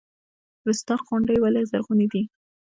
رستاق غونډۍ ولې زرغونې دي؟